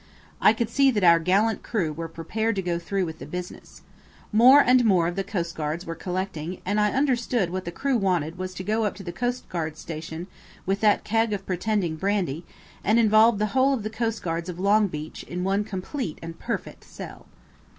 I could see that our gallant crew were prepared to go through with the business. More and more of the coastguards were collecting, and I understood that what the crew wanted was to go up to the coastguard station with that keg of pretending brandy, and involve the whole of the coastguards of Longbeach in one complete and perfect sell.